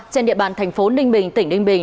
trên địa bàn thành phố ninh bình tỉnh ninh bình